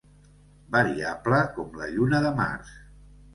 Variable com la lluna de març.